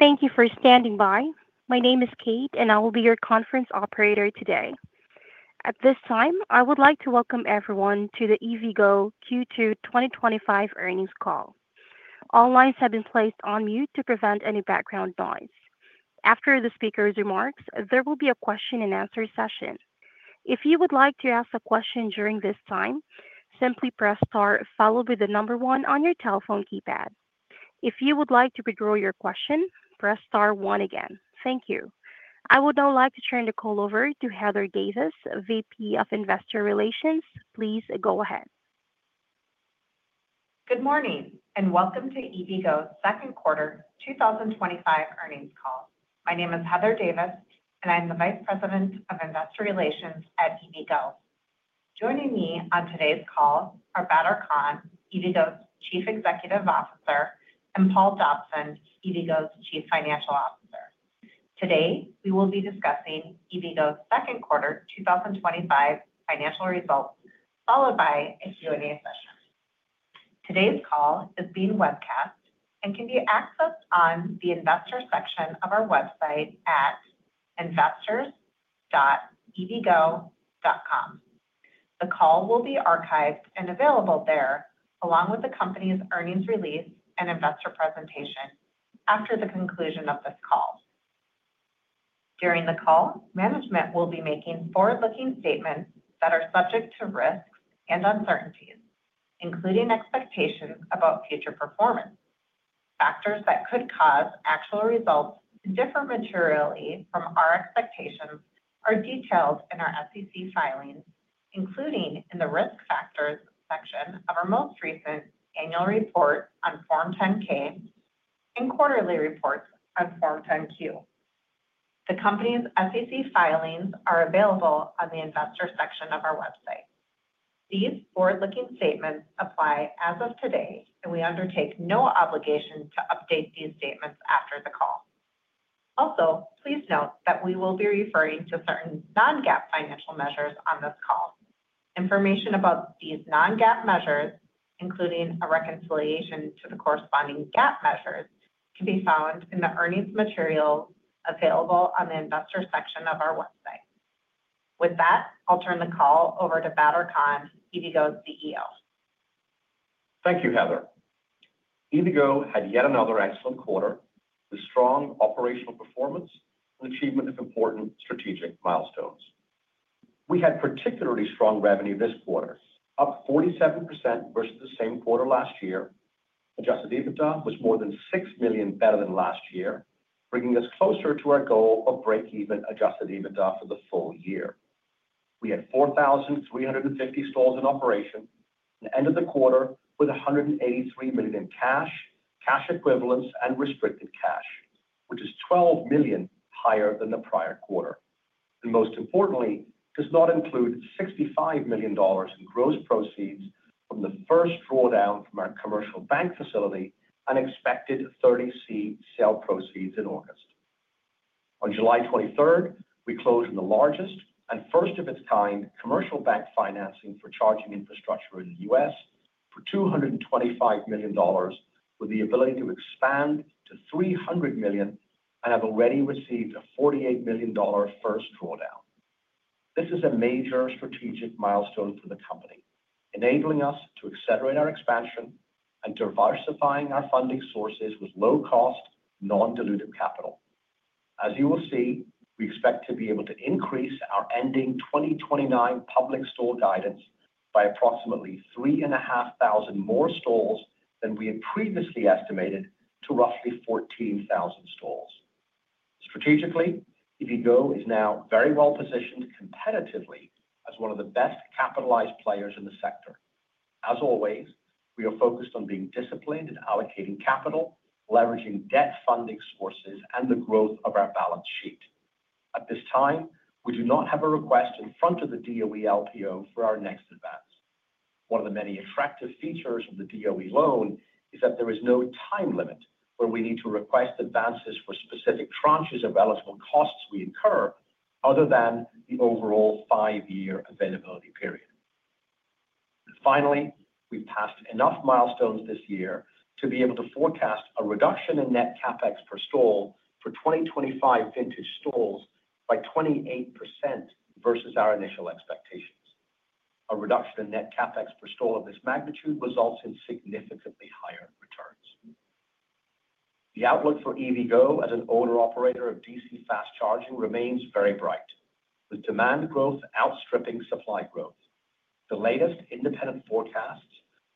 Thank you for standing by. My name is Kate, and I will be your conference operator today. At this time, I would like to welcome everyone to the EVgo Q2 2025 Earnings Call. All lines have been placed on mute to prevent any background noise. After the speaker's remarks, there will be a question and answer session. If you would like to ask a question during this time, simply press star followed by the number one on your telephone keypad. If you would like to withdraw your question, press star one again. Thank you. I would now like to turn the call over to Heather Davis, VP of Investor Relations. Please go ahead. Good morning and welcome to EVgo's Second Quarter 2025 Earnings Call. My name is Heather Davis, and I'm the Vice President of Investor Relations at EVgo. Joining me on today's call are Badar Khan, EVgo's Chief Executive Officer, and Paul Dobson, EVgo's Chief Financial Officer. Today, we will be discussing EVgo's second quarter 2025 financial results, followed by a Q&A session. Today's call is being webcast and can be accessed on the Investor section of our website at investors.evgo.com. The call will be archived and available there, along with the company's earnings release and investor presentation after the conclusion of this call. During the call, management will be making forward-looking statements that are subject to risks and uncertainties, including expectations about future performance. Factors that could cause actual results to differ materially from our expectations are detailed in our SEC filings, including in the Risk Factors section of our most recent annual report on Form 10-K and quarterly reports on Form 10-Q. The company's SEC filings are available on the Investor section of our website. These forward-looking statements apply as of today, and we undertake no obligation to update these statements after the call. Also, please note that we will be referring to certain non-GAAP financial measures on this call. Information about these non-GAAP measures, including a reconciliation to the corresponding GAAP measures, can be found in the earnings material available on the Investor section of our website. With that, I'll turn the call over to Badar Khan, EVgo's CEO. Thank you, Heather. EVgo had yet another excellent quarter with strong operational performance and the achievement of important strategic milestones. We had particularly strong revenue this quarter, up 47% versus the same quarter last year. Adjusted EBITDA was more than $6 million better than last year, bringing us closer to our goal of break-even adjusted EBITDA for the full year. We had 4,350 stalls in operation and ended the quarter with $108 million in cash, cash equivalents, and restricted cash, which is $12 million higher than the prior quarter. Most importantly, this does not include $65 million in gross proceeds from the first drawdown from our commercial bank facility and expected 30C sale proceeds in August. On July 23rd, we closed the largest and first of its kind commercial bank financing for charging infrastructure in the U.S. for $225 million, with the ability to expand to $300 million and have already received a $48 million first drawdown. This is a major strategic milestone for the company, enabling us to accelerate our expansion and diversify our funding sources with low-cost, non-dilutive capital. As you will see, we expect to be able to increase our ending 2029 public stall guidance by approximately 3,500 more stalls than we had previously estimated to roughly 14,000 stalls. Strategically, EVgo is now very well positioned competitively as one of the best capitalized players in the sector. As always, we are focused on being disciplined in allocating capital, leveraging debt funding sources, and the growth of our balance sheet. At this time, we do not have a request in front of the DOE LPO for our next advance. One of the many attractive features of the DOE loan is that there is no time limit when we need to request advances for specific tranches of eligible costs we incur other than the overall five-year availability period. Finally, we passed enough milestones this year to be able to forecast a reduction in net CapEx per stall for 2025 vintage stalls by 28% versus our initial expectations. A reduction in net CapEx per stall of this magnitude results in significantly higher returns. The outlook for EVgo as an owner-operator of DC fast charging remains very bright, with demand growth outstripping supply growth. The latest independent forecasts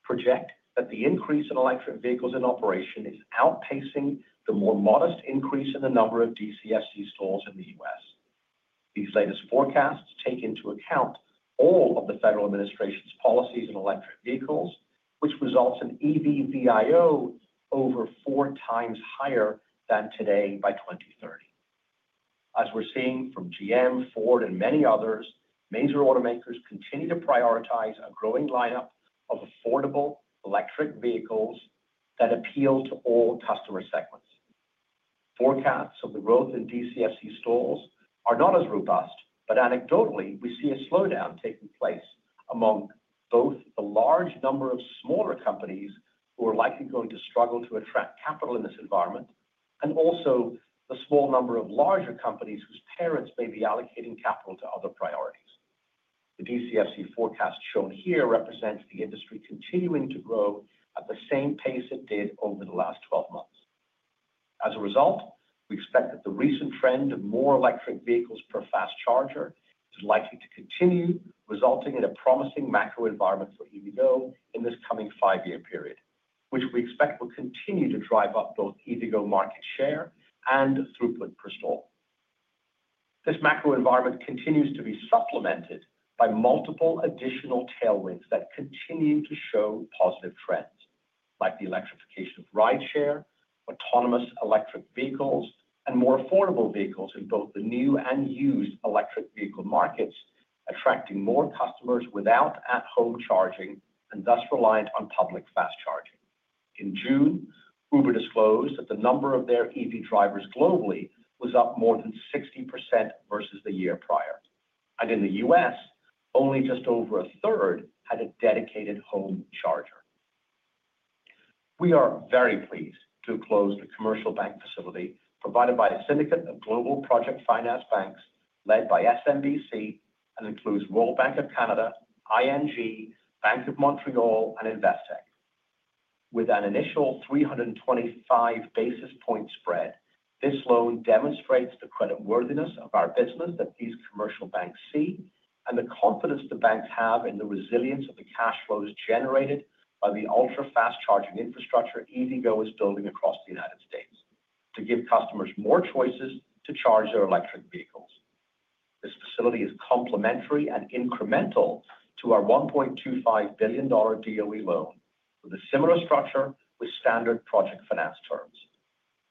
project that the increase in electric vehicles in operation is outpacing the more modest increase in the DCFC stalls in the U.S. These latest forecasts take into account all of the federal administration's policies on electric vehicles, which results in EVgo over four times higher than today by 2030. As we're seeing from General Motors, Ford, and many others, major automakers continue to prioritize a growing lineup of affordable electric vehicles that appeal to all customer segments. Forecasts of the DCFC stalls are not as robust, but anecdotally, we see a slowdown taking place among both the large number of smaller companies who are likely going to struggle to attract capital in this environment and also the small number of larger companies whose parents may be allocating capital to other DCFC forecast shown here represents the industry continuing to grow at the same pace it did over the last 12 months. As a result, we expect that the recent trend of more electric vehicles per fast charger is likely to continue, resulting in a promising macro environment for EVgo in this coming five-year period, which we expect will continue to drive up both EVgo market share and throughput per stall. This macro environment continues to be supplemented by multiple additional tailwinds that continue to show positive trends, like the electrification of rideshare, autonomous electric vehicles, and more affordable vehicles in both the new and used electric vehicle markets, attracting more customers without at-home charging and thus reliant on public fast charging. In June, Uber disclosed that the number of their EV drivers globally was up more than 60% versus the year prior. In the U.S., only just over a third had a dedicated home charger. We are very pleased to close the commercial bank facility provided by a syndicate of global project finance banks led by SMBC and includes Royal Bank of Canada, ING, Bank of Montreal, and Investec. With an initial 325 basis point spread, this loan demonstrates the creditworthiness of our business that these commercial banks see and the confidence the banks have in the resilience of the cash flows generated by the ultra-fast charging infrastructure EVgo is building across the U.S. to give customers more choices to charge their electric vehicles. This facility is complementary and incremental to our $1.25 billion DOE loan with a similar structure with standard project finance terms.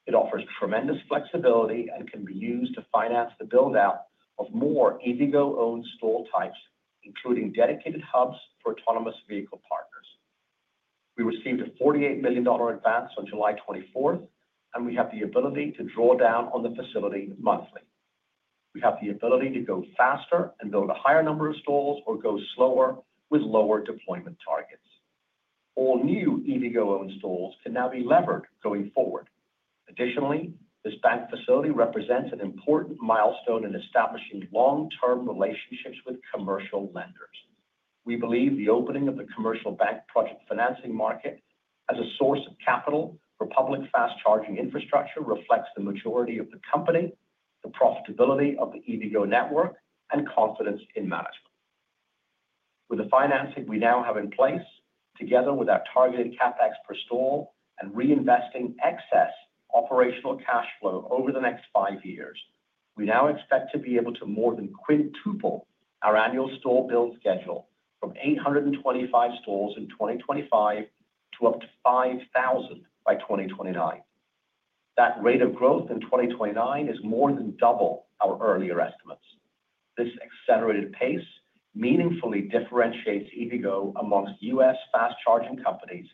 It offers tremendous flexibility and can be used to finance the build-out of more EVgo-owned stall types, including dedicated hubs for autonomous vehicle partners. We received a $48 million advance on July 24th, and we have the ability to draw down on the facility monthly. We have the ability to go faster and build a higher number of stalls or go slower with lower deployment targets. All new EVgo-owned stalls can now be levered going forward. Additionally, this bank facility represents an important milestone in establishing long-term relationships with commercial lenders. We believe the opening of the commercial bank project financing market as a source of capital for public fast charging infrastructure reflects the maturity of the company, the profitability of the EVgo network, and confidence in management. With the financing we now have in place, together with our targeted CapEx per stall and reinvesting excess operational cash flow over the next five years, we now expect to be able to more than quintuple our annual stall build schedule from 825 stalls in 2025 to up to 5,000 by 2029. That rate of growth in 2029 is more than double our earlier estimates. This accelerated pace meaningfully differentiates EVgo amongst U.S. fast charging companies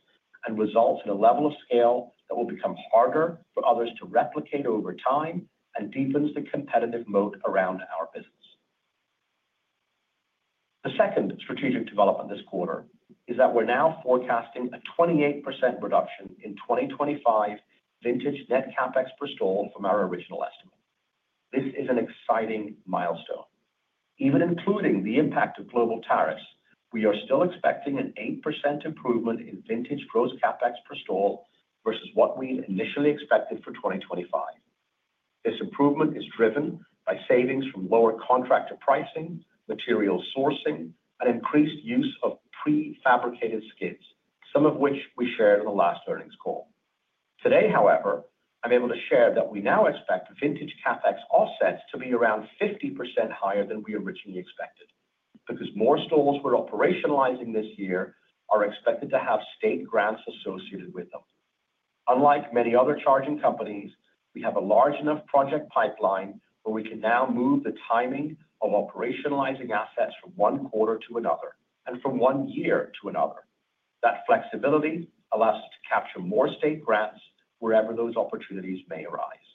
and results in a level of scale that will become harder for others to replicate over time and deepens the competitive moat around our business. The second strategic development this quarter is that we're now forecasting a 28% reduction in 2025 vintage net CapEx per stall from our original estimate. This is an exciting milestone. Even including the impact of global tariffs, we are still expecting an 8% improvement in vintage gross CapEx per stall versus what we initially expected for 2025. This improvement is driven by savings from lower contractor pricing, material sourcing, and increased use of prefabricated skids, some of which we shared in the last earnings call. Today, however, I'm able to share that we now expect vintage CapEx offsets to be around 50% higher than we originally expected because more stalls we're operationalizing this year are expected to have state grants associated with them. Unlike many other charging companies, we have a large enough project pipeline where we can now move the timing of operationalizing assets from one quarter to another and from one year to another. That flexibility allows us to capture more state grants wherever those opportunities may arise.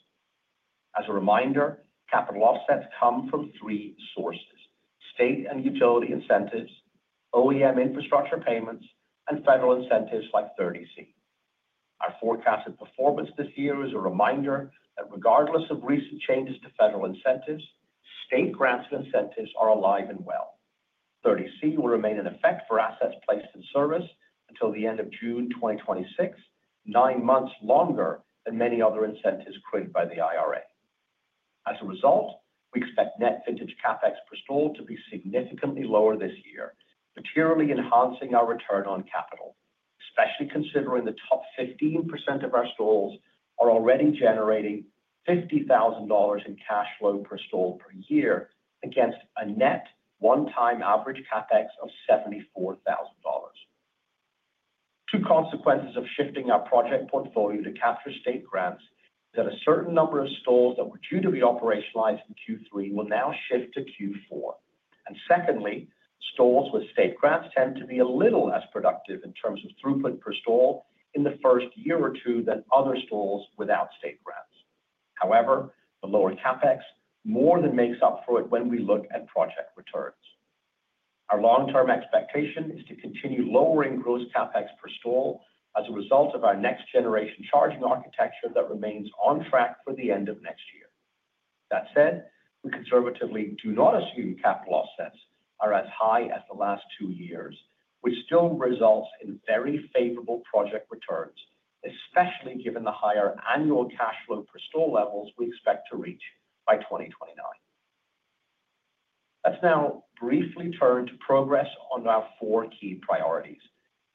As a reminder, capital offsets come from three sources: state and utility incentives, OEM infrastructure payments, and federal incentives like 30C. Our forecasted performance this year is a reminder that regardless of recent changes to federal incentives, state grants and incentives are alive and well. 30C will remain in effect for assets placed in service until the end of June 2026, nine months longer than many other incentives printed by the IRA. As a result, we expect net vintage CapEx per stall to be significantly lower this year, materially enhancing our return on capital, especially considering the top 15% of our stalls are already generating $50,000 in cash flow per stall per year against a net one-time average CapEx of $74,000. Two consequences of shifting our project portfolio to capture state grants is that a certain number of stalls that were due to be operationalized in Q3 will now shift to Q4. Secondly, stalls with state grants tend to be a little less productive in terms of throughput per stall in the first year or two than other stalls without state grants. However, the lower CapEx more than makes up for it when we look at project returns. Our long-term expectation is to continue lowering gross CapEx per stall as a result of our next-generation charging architecture that remains on track for the end of next year. That said, we conservatively do not assume capital offsets are as high as the last two years, which still results in very favorable project returns, especially given the higher annual cash flow per stall levels we expect to reach by 2029. Let's now briefly turn to progress on our four key priorities: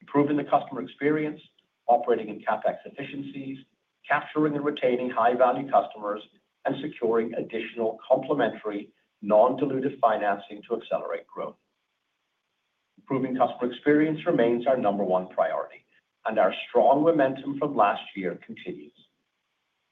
improving the customer experience, operating in CapEx efficiencies, capturing and retaining high-value customers, and securing additional complementary non-dilutive financing to accelerate growth. Improving customer experience remains our number one priority, and our strong momentum from last year continues.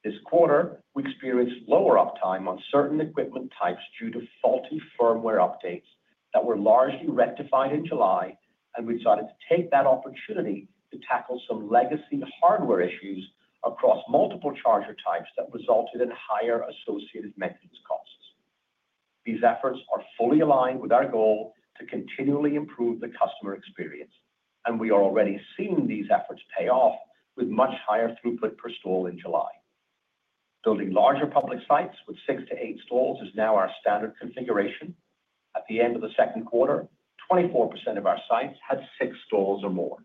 This quarter, we experienced lower uptime on certain equipment types due to faulty firmware updates that were largely rectified in July, and we decided to take that opportunity to tackle some legacy hardware issues across multiple charger types that resulted in higher associated maintenance costs. These efforts are fully aligned with our goal to continually improve the customer experience, and we are already seeing these efforts pay off with much higher throughput per stall in July. Building larger public sites with six to eight stalls is now our standard configuration. At the end of the second quarter, 24% of our sites had six stalls or more.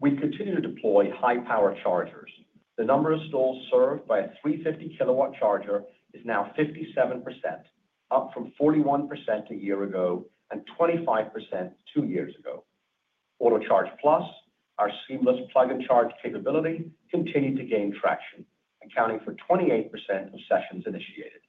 We continue to deploy high-power chargers. The number of stalls served by a 350-kW charger is now 57%, up from 41% a year ago and 25% two years ago. Autocharge+, our seamless plug-and-charge capability, continued to gain traction, accounting for 28% of sessions initiated.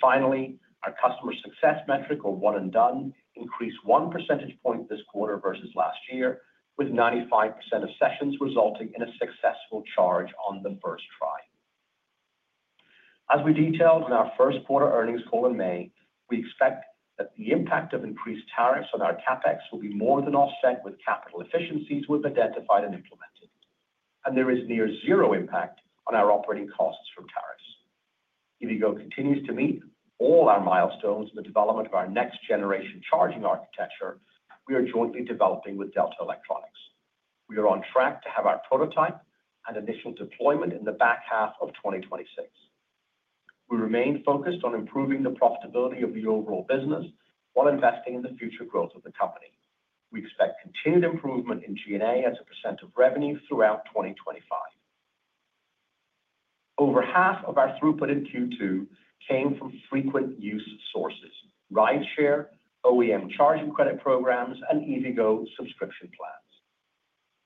Finally, our customer success metric, or one-and-done, increased one percentage point this quarter versus last year, with 95% of sessions resulting in a successful charge on the first try. As we detailed in our first quarter earnings call in May, we expect that the impact of increased tariffs on our CapEx will be more than offset with capital efficiencies we've identified and implemented, and there is near zero impact on our operating costs from tariffs. EVgo continues to meet all our milestones in the development of our next-generation charging architecture we are jointly developing with Delta Electronics. We are on track to have our prototype and initial deployment in the back half of 2026. We remain focused on improving the profitability of the overall business while investing in the future growth of the company. We expect continued improvement in G&A as a percent of revenue throughout 2025. Over half of our throughput in Q2 came from frequent use sources: rideshare, OEM charging credit programs, and EVgo subscription plans.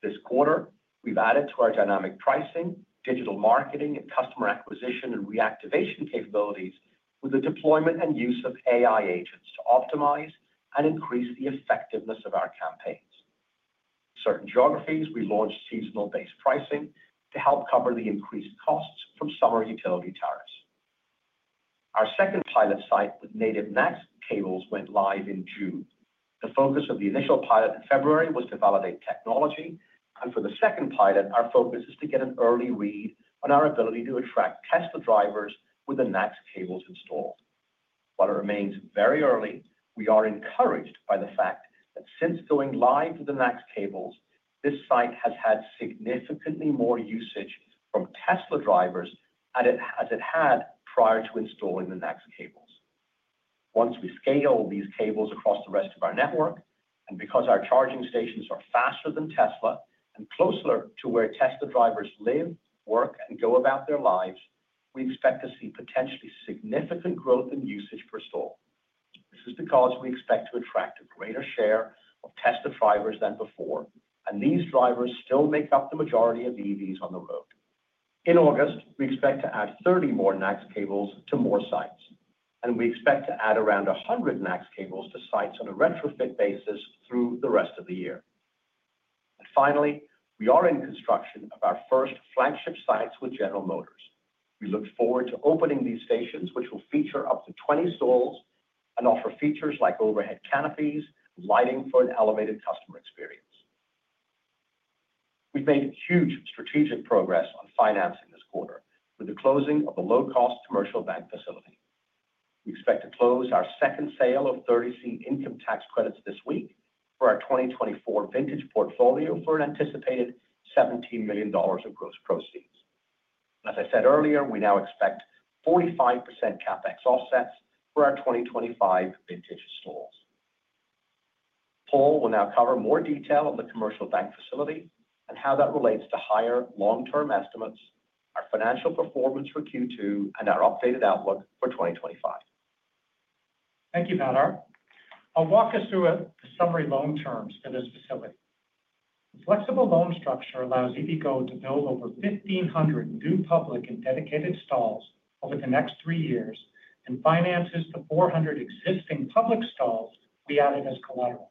This quarter, we've added to our dynamic pricing, digital marketing, customer acquisition, and reactivation capabilities with the deployment and use of AI agents to optimize and increase the effectiveness of our campaigns. In certain geographies, we launched seasonal-based pricing to help cover the increased costs from summer utility tariffs. Our second pilot site with native NACS cables went live in June. The focus of the initial pilot in February was to validate technology, and for the second pilot, our focus is to get an early read on our ability to attract Tesla drivers with the NACS cables installed. While it remains very early, we are encouraged by the fact that since installing the NACS cables, this site has had significantly more usage from Tesla drivers than it had prior to installing the NACS cables. Once we scale these connectors across the rest of our network, and because our charging stations are faster than Tesla and closer to where Tesla drivers live, work, and go about their lives, we expect to see potentially significant growth in usage per stall. This is because we expect to attract a greater share of Tesla drivers than before, and these drivers still make up the majority of EVs on the road. In August, we expect to add 30 more NACS cables to more sites, and we expect to add around 100 NACS cables to sites on a retrofit basis through the rest of the year. Finally, we are in construction of our first flagship sites with General Motors. We look forward to opening these stations, which will feature up to 20 stalls and offer features like overhead canopies and lighting for an elevated customer experience. We've made huge strategic progress on financing this quarter with the closing of a low-cost commercial bank facility. We expect to close our second sale of 30C income tax credits this week for our 2024 vintage portfolio for an anticipated $17 million of gross proceeds. As I said earlier, we now expect 45% CapEx offsets for our 2025 vintage stalls. Paul will now cover more detail on the commercial bank facility and how that relates to higher long-term estimates, our financial performance for Q2, and our updated outlook for 2025. Thank you, Badar. I'll walk us through the summary loan terms for this facility. The flexible loan structure allows EVgo to build over 1,500 new public and dedicated stalls over the next three years and finances 400 existing public stalls beyond this collateral.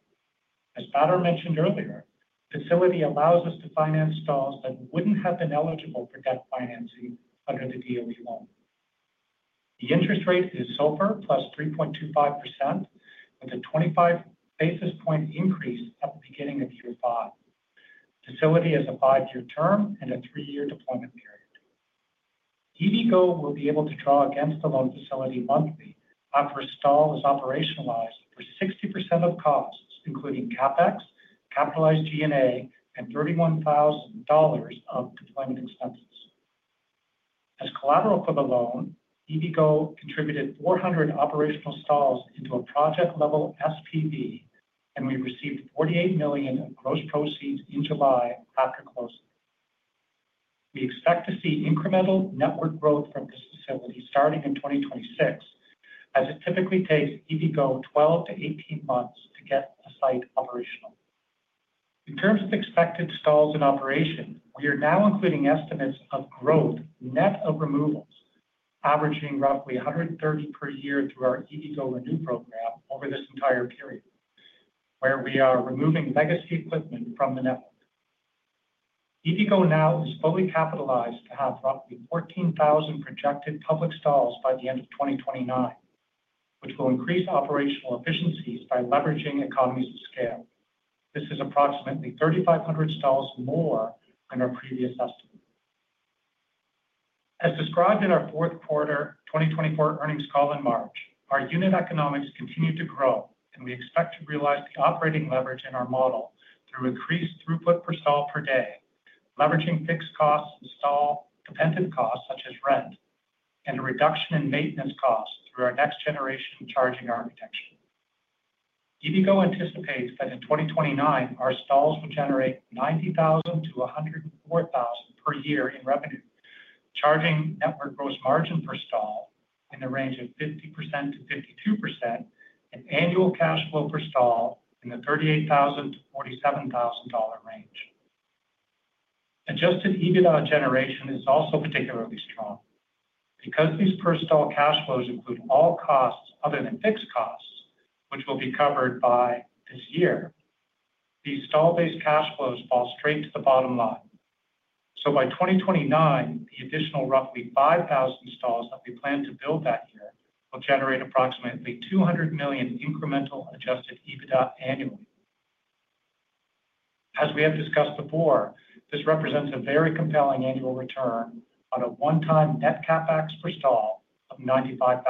As Badar mentioned earlier, the facility allows us to finance stalls that wouldn't have been eligible for debt financing under the DOE loan. The interest rate is SOFR plus 3.25% with a 25 basis point increase at the beginning of Q5. The facility has a five-year term and a three-year deployment period. EVgo will be able to draw against the loan facility monthly after a stall is operationalized for 60% of costs, including CapEx, capitalized G&A, and $31,000 of deployment expenses. As collateral for the loan, EVgo contributed 400 operational stalls into a project-level SPV, and we received $48 million in gross proceeds in July after closing. We expect to see incremental network growth from this facility starting in 2026, as it typically takes EVgo 12 months-18 months to get a site operational. In terms of expected stalls in operation, we are now including estimates of growth net of removals, averaging roughly 130 per year through our EVgo Renew program over this entire period, where we are removing legacy equipment from the network. EVgo now is fully capitalized to have roughly 14,000 projected public stalls by the end of 2029, which will increase operational efficiencies by leveraging economies of scale. This is approximately 3,500 stalls more than our previous estimate. As described in our fourth quarter 2024 earnings call in March, our unit economics continue to grow, and we expect to realize the operating leverage in our model through increased throughput per stall per day, leveraging fixed costs of stall, dependent costs such as rent, and a reduction in maintenance costs through our next-generation charging architecture. EVgo anticipates that in 2029, our stalls will generate $90,000-$104,000 per year in revenue, charging network gross margin per stall in the range of 50%-52%, and annual cash flow per stall in the $38,000-$47,000 range. Adjusted EBITDA generation is also particularly strong. Because these per stall cash flows include all costs other than fixed costs, which will be covered by this year, these stall-based cash flows fall straight to the bottom line. By 2029, the additional roughly 5,000 stalls that we plan to build that year will generate approximately $200 million in incremental adjusted EBITDA annually. As we have discussed before, this represents a very compelling annual return on a one-time net CapEx per stall of $95,000.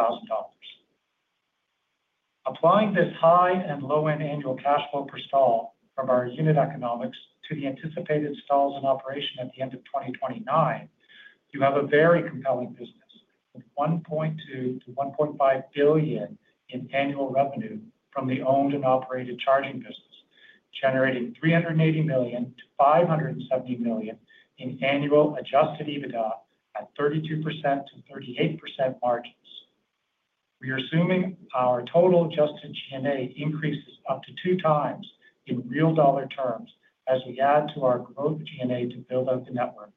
Applying this high and low-end annual cash flow per stall from our unit economics to the anticipated stalls in operation at the end of 2029, you have a very compelling business: $1.2 billion-$1.5 billion in annual revenue from the owned and operated charging business, generating $380 million-$570 million in annual adjusted EBITDA at 32%-38% margins. We are assuming our total adjusted G&A increases up to two times in real dollar terms as we add to our gross G&A to build out the network,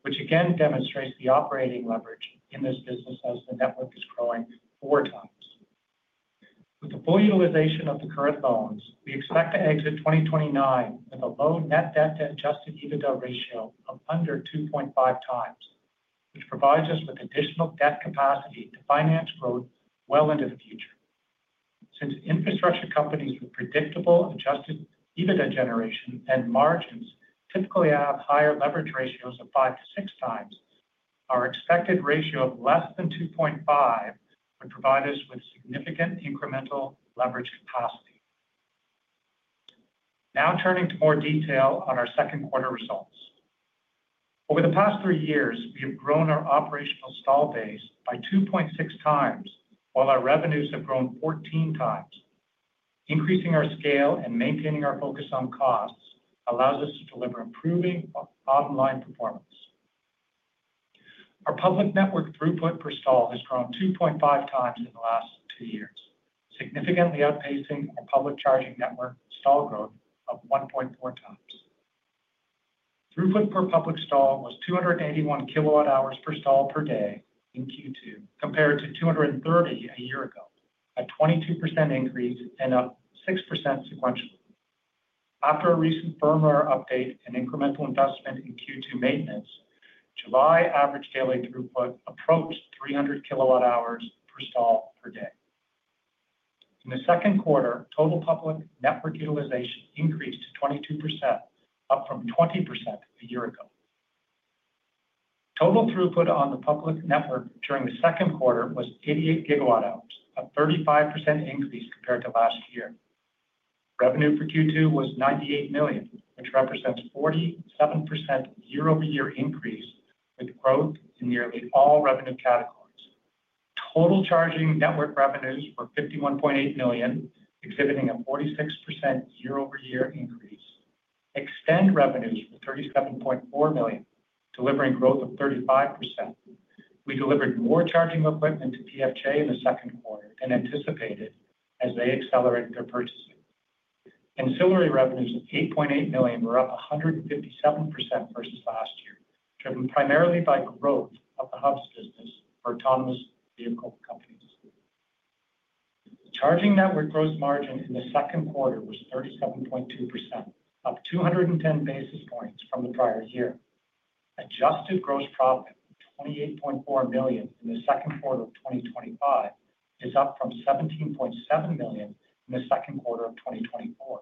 which again demonstrates the operating leverage in this business as the network is growing four times. With the full utilization of the current loans, we expect to exit 2029 with a low net debt to adjusted EBITDA ratio of under 2.5x. This provides us with additional debt capacity to finance growth well into the future. Since infrastructure companies with predictable adjusted EBITDA generation and margins typically have higher leverage ratios of five to six times, our expected ratio of less than 2.5 would provide us with significant incremental leverage capacity. Now turning to more detail on our second quarter results. Over the past three years, we have grown our operational stall base by 2.6x, while our revenues have grown 14x. Increasing our scale and maintaining our focus on costs allows us to deliver improving bottom-line performance. Our public network throughput per stall has grown 2.5x in the last two years, significantly outpacing the public charging network stall growth of 1.4x. Throughput per public stall was 281 kWh per stall per day in Q2 compared to 230 kWh a year ago, a 22% increase and up 6% sequentially. After a recent firmware update and incremental investment in Q2 maintenance, July average daily throughput approached 300 kWh per stall per day. In the second quarter, total public network utilization increased to 22%, up from 20% a year ago. Total throughput on the public network during the second quarter was 88 GWh, a 35% increase compared to last year. Revenue for Q2 was $98 million, which represents a 47% year-over-year increase with growth in nearly all revenue categories. Total charging network revenues were $51.8 million, exhibiting a 46% year-over-year increase. Extend revenues were $37.4 million, delivering growth of 35%. We delivered more charging equipment to DFJ in the second quarter than anticipated as they accelerated their purchasing. Ancillary revenues of $8.8 million were up 157% versus last year, driven primarily by growth of the hubs business for autonomous vehicle companies. Charging network gross margin in the second quarter was 37.2%, up 210 basis points from the prior year. Adjusted gross profit of $28.4 million in the second quarter of 2025 is up from $17.7 million in the second quarter of 2024.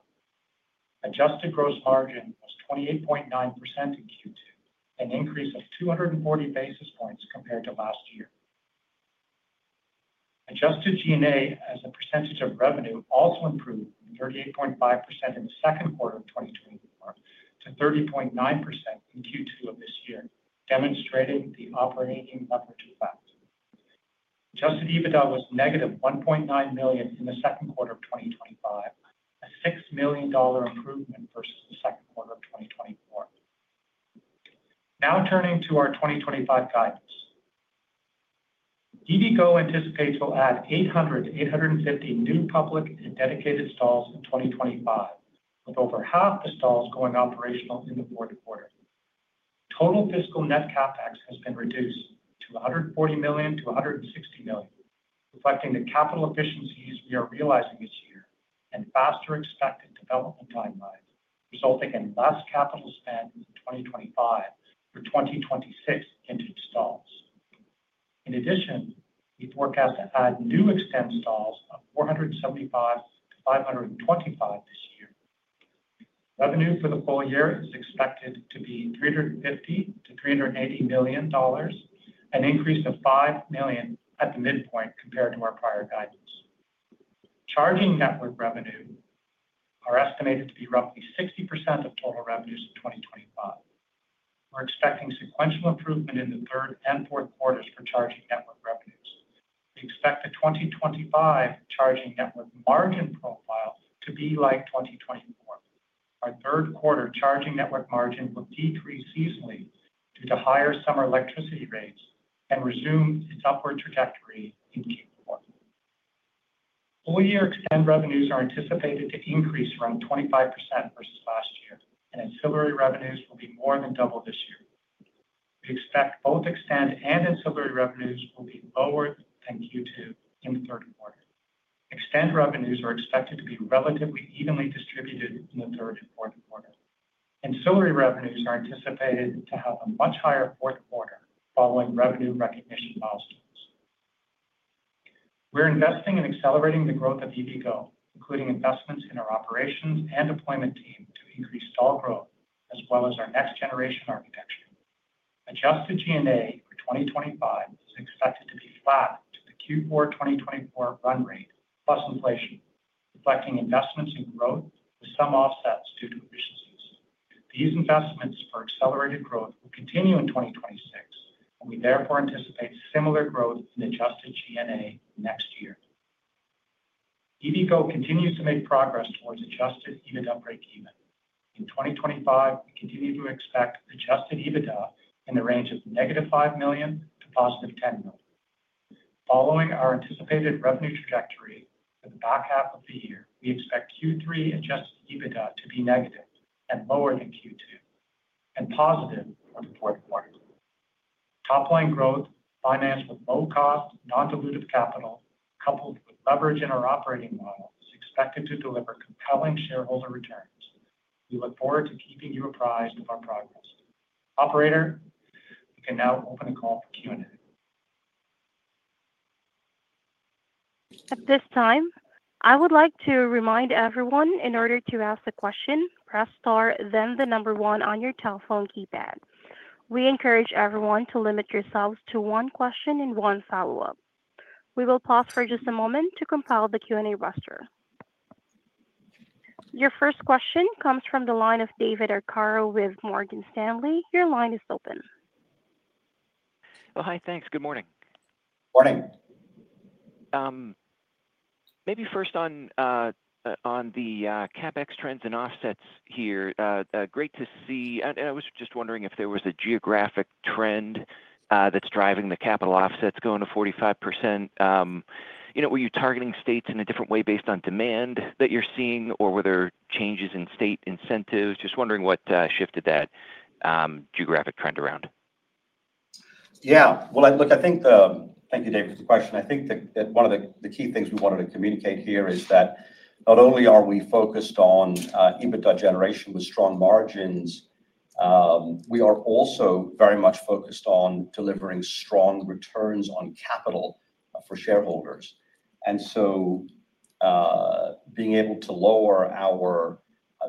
Adjusted gross margin of 28.9% in Q2, an increase of 240 basis points compared to last year. Adjusted G&A as a percentage of revenue also improved from 38.5% in the second quarter of 2024 to 30.9% in Q2 of this year, demonstrating the operating leverage effect. Adjusted EBITDA was negative $1.9 million in the second quarter of 2025, a $6 million improvement versus the second quarter of 2024. Now turning to our 2025 guidance, EVgo anticipates we'll add 800-850 new public and dedicated stalls in 2025, with over half the stalls going operational in the fourth quarter. Total fiscal net CapEx has been reduced to $140 million-$160 million, reflecting the capital efficiencies we are realizing this year and faster expected development timelines, resulting in less capital spent in 2025 for 2026 vintage stalls. In addition, we forecast to add new eXtend stalls of 475-525 this year. Revenue for the full year is expected to be $350 million-$380 million, an increase of $5 million at the midpoint compared to our prior guidance. Charging network revenues are estimated to be roughly 60% of total revenues in 2025. We're expecting sequential improvement in the third and fourth quarters for charging network revenues. We expect the 2025 charging network margin profile to be like 2024. Our third quarter charging network margin will decrease seasonally due to higher summer electricity rates and resume its upward trajectory in Q4. Full-year eXtend revenues are anticipated to increase around 25% versus last year, and ancillary revenues will be more than double this year. We expect both eXtend and ancillary revenues will be lower than Q2 in the third quarter. eXtend revenues are expected to be relatively evenly distributed in the third and fourth quarter. Ancillary revenues are anticipated to have a much higher fourth quarter following revenue recognition milestones. We're investing in accelerating the growth of EVgo, including investments in our operations and deployment team to increase stall growth, as well as our next-generation architecture. Adjusted G&A for 2025 is expected to be flat with the Q4 2024 run rate plus inflation, reflecting investments in growth with some offsets due to efficiencies. These investments for accelerated growth will continue in 2026, and we therefore anticipate similar growth in adjusted G&A next year. EVgo continues to make progress towards adjusted unit upright G&A. In 2025, we typically expect adjusted EBITDA in the range of negative $5 million to positive $10 million. Following our anticipated revenue trajectory for the back half of the year, we expect Q3 adjusted EBITDA to be negative and lower than Q2 and positive for the fourth quarter. Top-line growth financed with low-cost non-dilutive capital, coupled with leverage in our operating model, is expected to deliver compelling shareholder returns. We look forward to keeping you apprised of our progress. Operator, we can now open a call for Q&A. At this time, I would like to remind everyone in order to ask a question, press star, then the number one on your telephone keypad. We encourage everyone to limit yourselves to one question and one follow-up. We will pause for just a moment to compile the Q&A roster. Your first question comes from the line of David Arcaro with Morgan Stanley. Your line is open. Oh, hi. Thanks. Good morning. Morning. Maybe first on the CapEx trends and offsets here. Great to see, and I was just wondering if there was a geographic trend that's driving the capital offsets going to 45%. You know, were you targeting states in a different way based on demand that you're seeing, or were there changes in state incentives? Just wondering what shifted that geographic trend around. Yeah. I think thank you, David, for the question. I think that one of the key things we wanted to communicate here is that not only are we focused on EBITDA generation with strong margins, we are also very much focused on delivering strong returns on capital for shareholders. Being able to lower our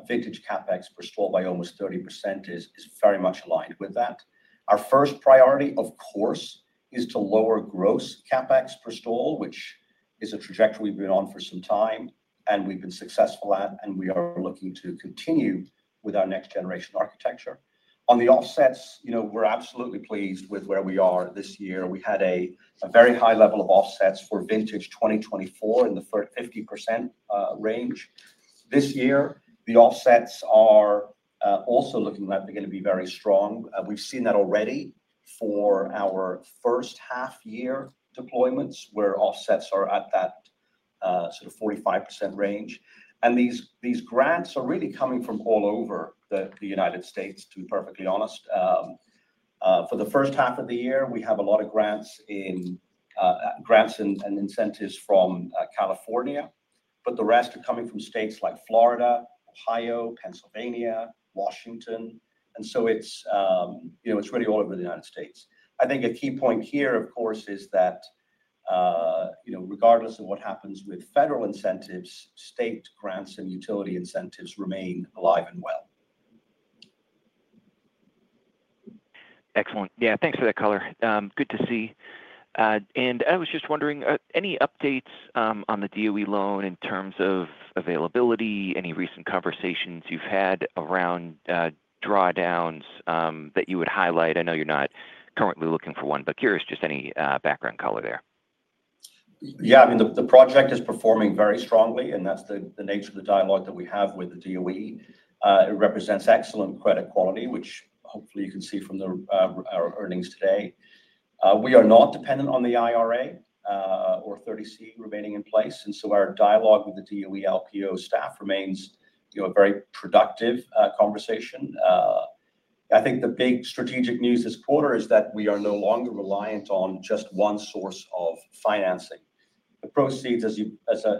vintage CapEx per stall by almost 30% is very much aligned with that. Our first priority, of course, is to lower gross CapEx per stall, which is a trajectory we've been on for some time, and we've been successful at, and we are looking to continue with our next-generation architecture. On the offsets, you know, we're absolutely pleased with where we are this year. We had a very high level of offsets for vintage 2024 in the 50% range. This year, the offsets are also looking like they're going to be very strong. We've seen that already for our first half-year deployments where offsets are at that sort of 45% range. These grants are really coming from all over the U.S., to be perfectly honest. For the first half of the year, we have a lot of grants and incentives from California, but the rest are coming from states like Florida, Ohio, Pennsylvania, Washington. It's really all over the U.S. I think a key point here, of course, is that regardless of what happens with federal incentives, state grants and utility incentives remain alive and well. Excellent. Thanks for that color. Good to see. I was just wondering, any updates on the DOE loan in terms of availability, any recent conversations you've had around drawdowns that you would highlight? I know you're not currently looking for one, but curious just any background color there. Yeah, I mean, the project is performing very strongly, and that's the nature of the dialogue that we have with the DOE. It represents excellent credit quality, which hopefully you can see from our earnings today. We are not dependent on the IRA or 30C remaining in place, so our dialogue with the DOE LPO staff remains a very productive conversation. I think the big strategic news this quarter is that we are no longer reliant on just one source of financing. The proceeds, as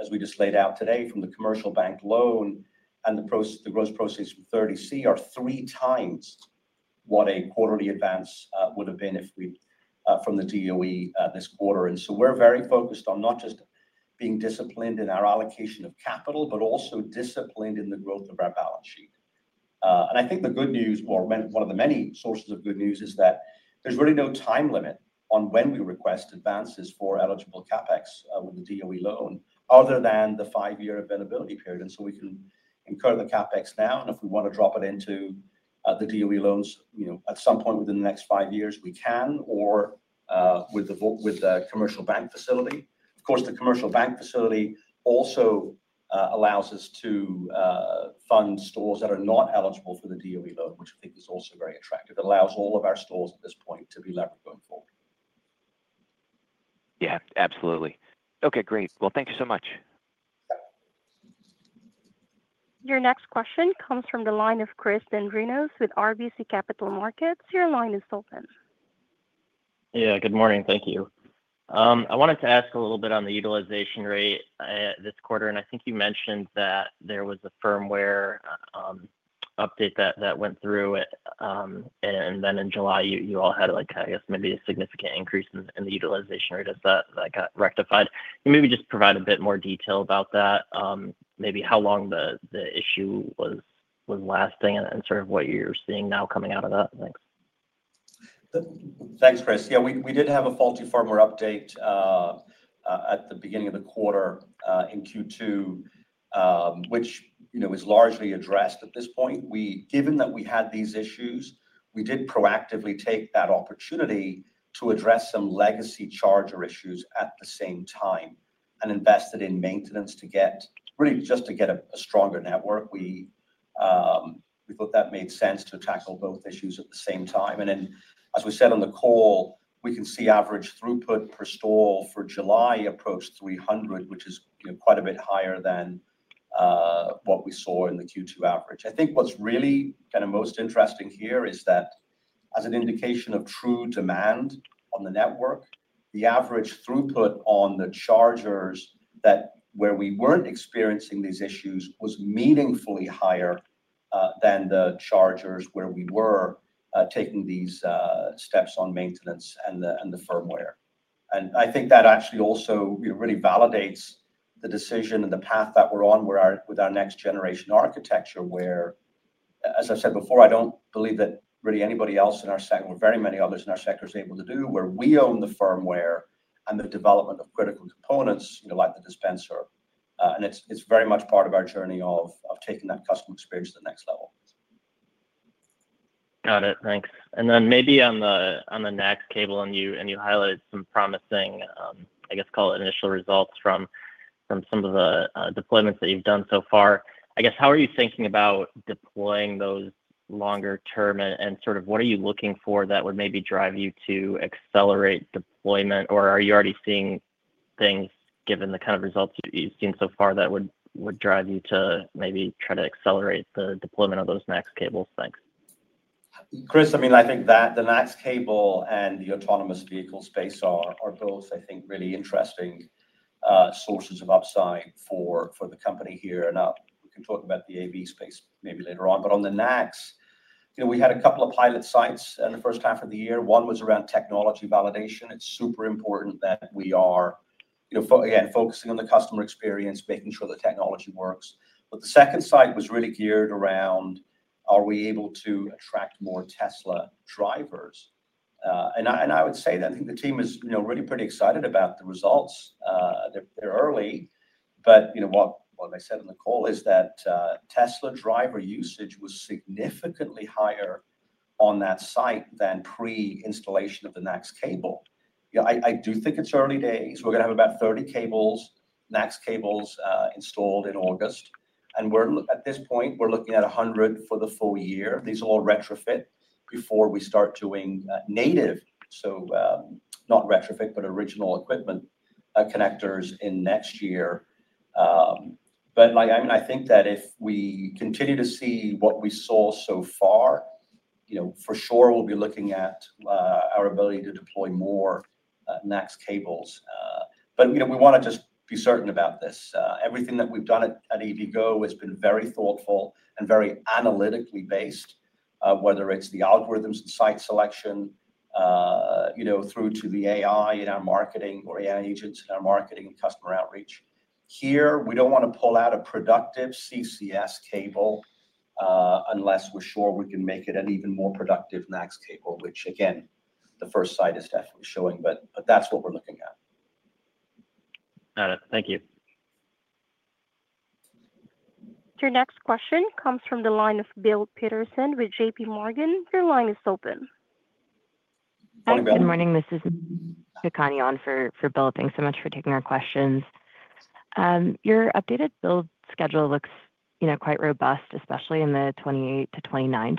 we just laid out today, from the commercial bank loan and the gross proceeds from 30C are three times what a quarterly advance would have been from the DOE this quarter. We are very focused on not just being disciplined in our allocation of capital, but also disciplined in the growth of our balance sheet. I think the good news, or one of the many sources of good news, is that there's really no time limit on when we request advances for eligible CapEx with the DOE loan other than the five-year availability period. We can incur the CapEx now, and if we want to drop it into the DOE loans at some point within the next five years, we can, or with the commercial bank facility. Of course, the commercial bank facility also allows us to fund stalls that are not eligible for the DOE loan, which I think is also very attractive. It allows all of our stalls at this point to be levered going forward. Yeah, absolutely. Okay, great. Thank you so much. Your next question comes from the line of Chris Dendrinos with RBC Capital Markets. Your line is open. Good morning. Thank you. I wanted to ask a little bit on the utilization rate this quarter, and I think you mentioned that there was a firmware update that went through it, and then in July, you all had, I guess, maybe a significant increase in the utilization rate as that got rectified. Can you maybe just provide a bit more detail about that? Maybe how long the issue was lasting and sort of what you're seeing now coming out of that? Thanks, Chris. Yeah, we did have a faulty firmware update at the beginning of the quarter in Q2, which was largely addressed at this point. Given that we had these issues, we did proactively take that opportunity to address some legacy charger issues at the same time and invested in maintenance to get really just to get a stronger network. We thought that made sense to tackle both issues at the same time. As we said on the call, we can see average throughput per stall for July approached 300, which is quite a bit higher than what we saw in the Q2 average. I think what's really kind of most interesting here is that, as an indication of true demand on the network, the average throughput on the chargers where we weren't experiencing these issues was meaningfully higher than the chargers where we were taking these steps on maintenance and the firmware. I think that actually also really validates the decision and the path that we're on with our next-generation architecture, where, as I've said before, I don't believe that really anybody else in our sector, or very many others in our sector, is able to do, where we own the firmware and the development of critical components like the dispenser. It's very much part of our journey of taking that customer experience to the next level. Got it. Thanks. On the NACS cable, you highlighted some promising, I guess, initial results from some of the deployments that you've done so far. How are you thinking about deploying those longer term, and what are you looking for that would maybe drive you to accelerate deployment? Are you already seeing things, given the kind of results you've seen so far, that would drive you to maybe try to accelerate the deployment of those NACS cables? Thanks. Chris, I think that the NACS cable and the autonomous vehicle space are both really interesting sources of upside for the company here. We can talk about the AV space maybe later on. On the NACS, we had a couple of pilot sites in the first half of the year. One was around technology validation. It's super important that we are focusing on the customer experience, making sure the technology works. The second site was really geared around, are we able to attract more Tesla drivers? I would say that I think the team is really pretty excited about the results. They're early, but what I said on the call is that Tesla driver usage was significantly higher on that site than pre-installation of the NACS cable. I do think it's early days. We're going to have about 30 NACS cables installed in August. At this point, we're looking at 100 for the full year. These will all retrofit before we start doing native, so not retrofit, but original equipment connectors next year. If we continue to see what we saw so far, for sure we'll be looking at our ability to deploy more NACS cables. We want to just be certain about this. Everything that we've done at EVgo has been very thoughtful and very analytically based, whether it's the algorithms, the site selection, through to the AI in our marketing or AI agents in our marketing and customer outreach. Here, we don't want to pull out a productive CCS cable unless we're sure we can make it an even more productive NACS cable, which the first site is definitely showing, but that's what we're looking at. Got it. Thank you. Your next question comes from the line of Bill Peterson with JP Morgan. Your line is open. Thanks. Good morning. This is Kakani on for Bill. Thanks so much for taking our questions. Your updated build schedule looks quite robust, especially in the 2028-2029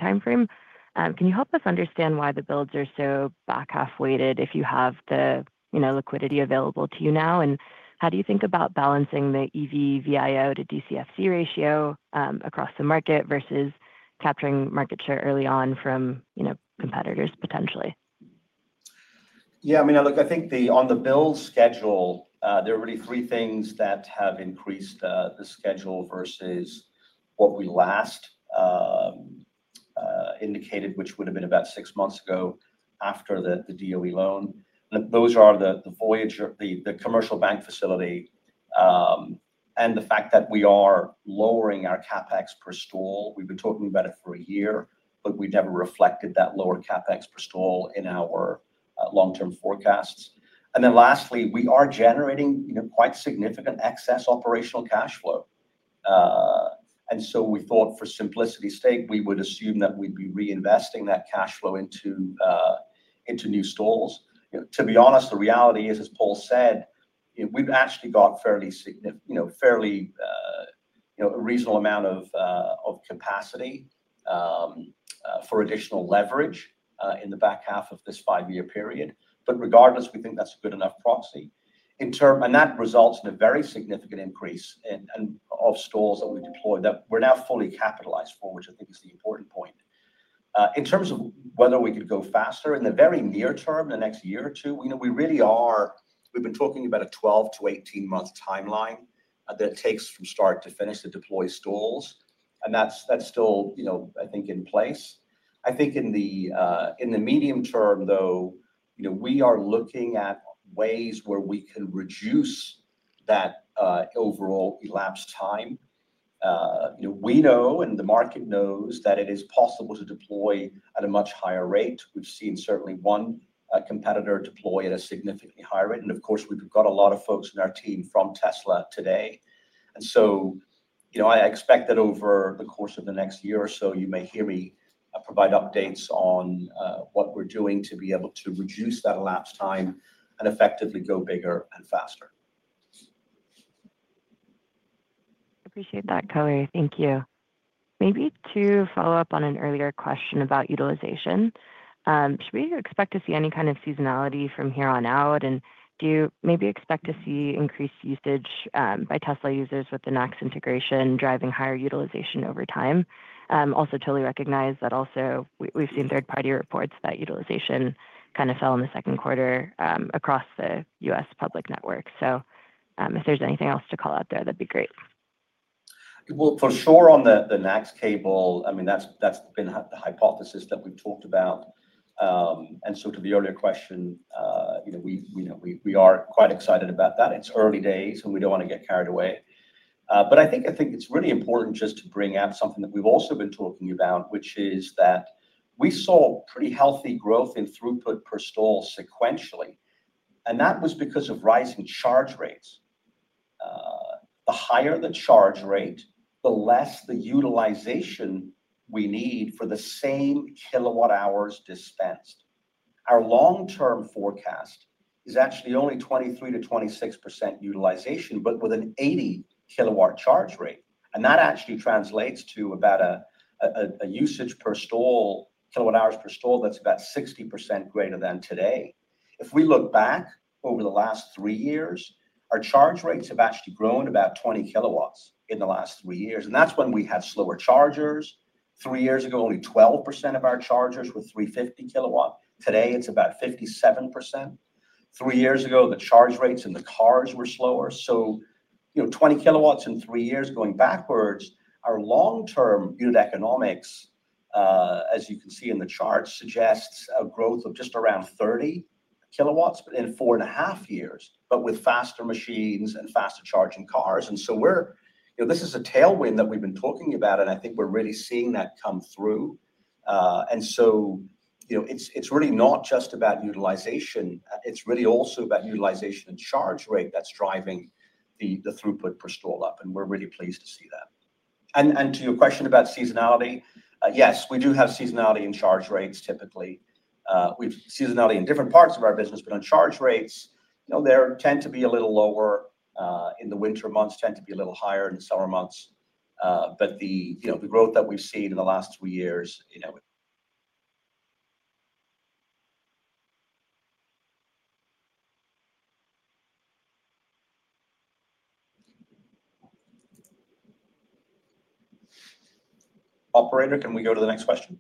timeframe. Can you help us understand why the builds are so back half weighted if you have the liquidity available to you now? How do you think about balancing the EV VIO to DCFC ratio across the market versus capturing market share early on from competitors potentially? Yeah, I mean, look, I think on the build schedule, there are really three things that have increased the schedule versus what we last indicated, which would have been about six months ago after the DOE loan. Those are the commercial bank facility and the fact that we are lowering our CapEx per stall. We've been talking about it for a year, but we never reflected that lower CapEx per stall in our long-term forecasts. Lastly, we are generating quite significant excess operational cash flow. We thought for simplicity's sake, we would assume that we'd be reinvesting that cash flow into new stalls. To be honest, the reality is, as Paul said, we've actually got a fairly reasonable amount of capacity for additional leverage in the back half of this five-year period. Regardless, we think that's a good enough proxy. That results in a very significant increase of stalls that we've deployed that we're now fully capitalized for, which I think is the important point. In terms of whether we could go faster in the very near term, the next year or two, we really are, we've been talking about a 12 month-18 month timeline that takes from start to finish to deploy stalls. That's still, I think, in place. I think in the medium term, though, we are looking at ways where we could reduce that overall elapsed time. We know, and the market knows, that it is possible to deploy at a much higher rate. We've seen certainly one competitor deploy at a significantly higher rate. Of course, we've got a lot of folks in our team from Tesla today. I expect that over the course of the next year or so, you may hear me provide updates on what we're doing to be able to reduce that elapsed time and effectively go bigger and faster. Appreciate that, Kelly. Thank you. Maybe to follow up on an earlier question about utilization, should we expect to see any kind of seasonality from here on out? Do you maybe expect to see increased usage by Tesla users with the NACS integration driving higher utilization over time? I totally recognize that we've also seen third-party reports that utilization kind of fell in the second quarter across the U.S. public network. If there's anything else to call out there, that'd be great. On the NACS cable, that's been the hypothesis that we've talked about. To the earlier question, you know we are quite excited about that. It's early days, and we don't want to get carried away. I think it's really important just to bring out something that we've also been talking about, which is that we saw pretty healthy growth in throughput per stall sequentially. That was because of rising charge rates. The higher the charge rate, the less the utilization we need for the same kilowatt-hours dispensed. Our long-term forecast is actually only 23%-26% utilization, but with an 80-kW charge rate. That actually translates to about a usage per stall, kilowatt-hours per stall that's about 60% greater than today. If we look back over the last three years, our charge rates have actually grown about 20 kilowatts in the last three years. That's when we had slower chargers. Three years ago, only 12% of our chargers were 350 kW. Today, it's about 57%. Three years ago, the charge rates in the cars were slower. So 20 kW in three years going backwards, our long-term unit economics, as you can see in the chart, suggests a growth of just around 30 kW in four and a half years, but with faster machines and faster charging cars. This is a tailwind that we've been talking about, and I think we're really seeing that come through. It's really not just about utilization. It's really also about utilization and charge rate that's driving the throughput per stall up. We're really pleased to see that. To your question about seasonality, yes, we do have seasonality in charge rates typically. We have seasonality in different parts of our business, but on charge rates, they tend to be a little lower in the winter months, tend to be a little higher in the summer months. The growth that we've seen in the last three years. Operator, can we go to the next question?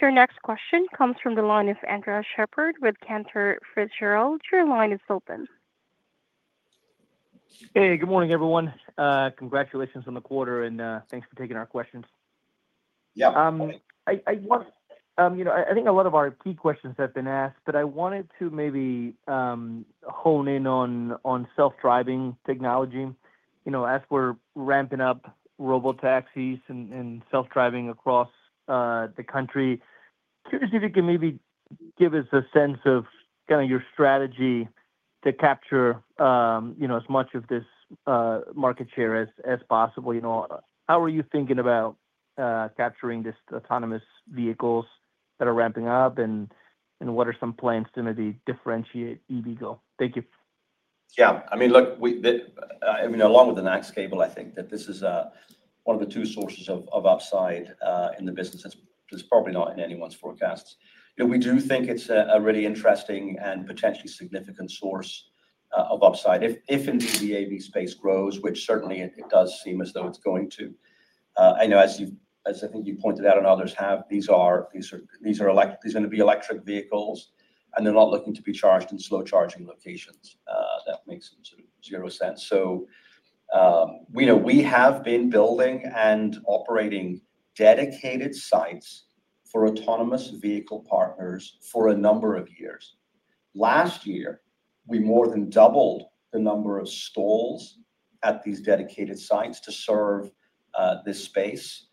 Your next question comes from the line of Andres Sheppard with Cantor Fitzgerald. Your line is open. Hey, good morning, everyone. Congratulations on the quarter, and thanks for taking our questions. I think a lot of our key questions have been asked, but I wanted to maybe hone in on self-driving technology. As we're ramping up robotaxis and self-driving across the country, curious if you can maybe give us a sense of your strategy to capture as much of this market share as possible. How are you thinking about capturing these autonomous vehicles that are ramping up, and what are some plans to maybe differentiate EVgo? Thank you. Along with the NACS cable, I think that this is one of the two sources of upside in the business that's probably not in anyone's forecasts. We do think it's a really interesting and potentially significant source of upside if indeed the AV space grows, which certainly it does seem as though it's going to. As you pointed out and others have, these are going to be electric vehicles, and they're not looking to be charged in slow charging locations. That makes zero sense. We have been building and operating dedicated sites for autonomous vehicle partners for a number of years. Last year, we more than doubled the number of stalls at these dedicated sites to serve this space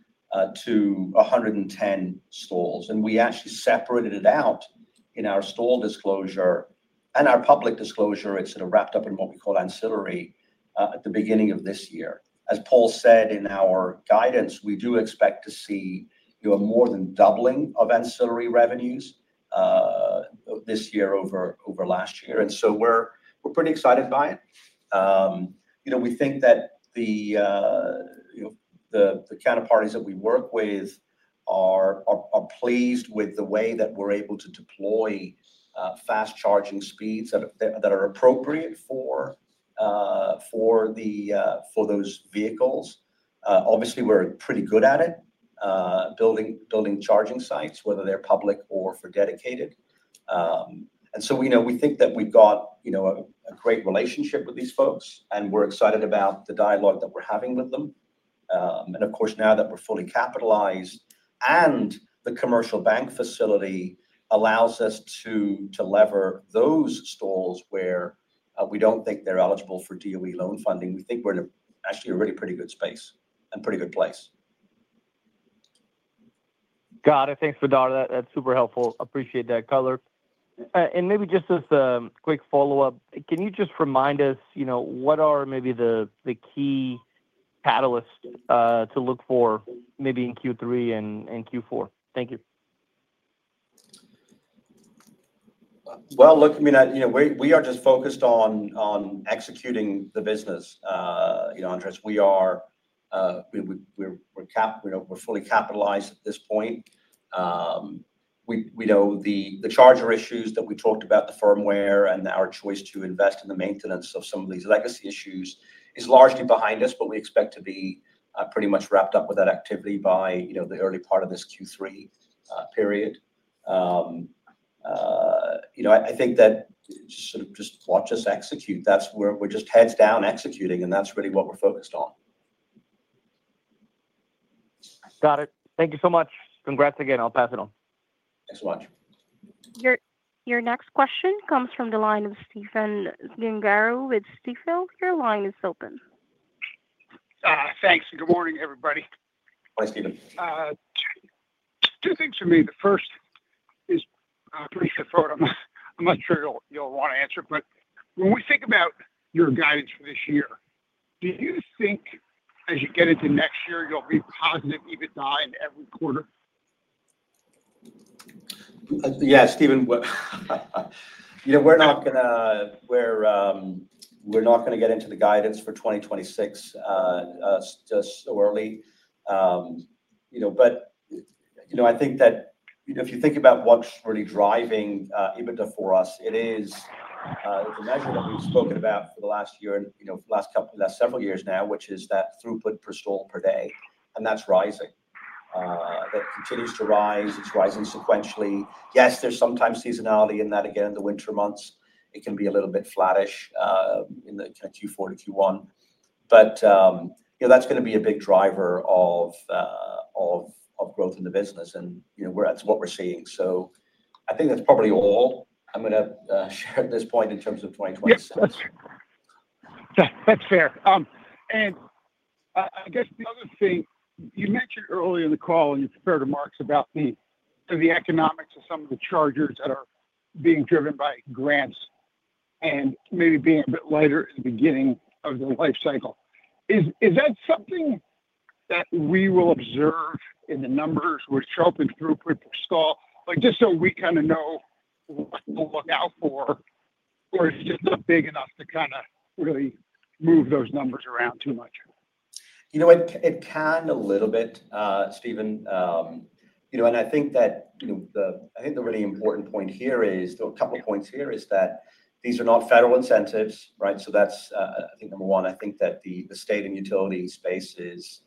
to 110 stalls. We actually separated it out in our stall disclosure and our public disclosure. It's sort of wrapped up in what we call ancillary at the beginning of this year. As Paul said in our guidance, we do expect to see a more than doubling of ancillary revenues this year over last year. We're pretty excited by it. We think that the counterparties that we work with are pleased with the way that we're able to deploy fast charging speeds that are appropriate for those vehicles. Obviously, we're pretty good at it, building charging sites, whether they're public or for dedicated. We think that we've got a great relationship with these folks, and we're excited about the dialogue that we're having with them. Now that we're fully capitalized and the commercial bank facility allows us to lever those stalls where we don't think they're eligible for DOE loan funding, we think we're actually in a really pretty good space and pretty good place. Got it. Thanks, Badar. That's super helpful. Appreciate that, Keller. Maybe just as a quick follow-up, can you just remind us, you know, what are maybe the key catalysts to look for maybe in Q3 and Q4? Thank you. I mean, we are just focused on executing the business. You know, we are fully capitalized at this point. We know the charger issues that we talked about, the firmware and our choice to invest in the maintenance of some of these legacy issues is largely behind us, but we expect to be pretty much wrapped up with that activity by the early part of this Q3 period. I think that sort of just watch us execute. That's where we're just heads down executing, and that's really what we're focused on. Got it. Thank you so much. Congrats again. I'll pass it on. Thanks so much. Your next question comes from the line of Stephen Gengaro with Stifel. Your line is open. Thanks. Good morning, everybody. Hi, Stephen. Two things for me. The first is pretty simple. I'm not sure you'll want to answer, but when we think about your guidance for this year, do you think as you get into next year, you'll be positive EBITDA in every quarter? Yeah, Stephen, we're not going to get into the guidance for 2026 just so early. I think that if you think about what's really driving EBITDA for us, it is the measure that we've spoken about for the last year and for the last several years now, which is that throughput per stall per day, and that's rising. That continues to rise. It's rising sequentially. Yes, there's sometimes seasonality in that, again, in the winter months, it can be a little bit flattish in Q4-Q1. That's going to be a big driver of growth in the business and what we're seeing. I think that's probably all I'm going to share at this point in terms of 2027. That's fair. I guess the other thing you mentioned earlier in the call in your prepared remarks about the economics of some of the chargers that are being driven by grants and maybe being a bit lighter at the beginning of their life cycle. Is that something that we will observe in the numbers with sharp and throughput per stall, just so we kind of know what to look out for, or is it just not big enough to really move those numbers around too much? It can a little bit, Stephen. I think the really important point here is, a couple of points here is that these are not federal incentives, right? That's, I think, number one. I think that the state and utility space is